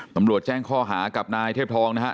ตำรวจแจ้งข้อหากับนายเทพทองนะฮะ